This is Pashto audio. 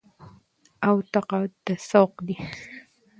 او تقاعد ته سوق دي